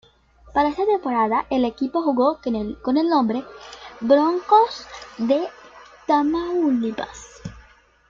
Para esta temporada el equipo jugó con el nombre de "Broncos de Tamaulipas".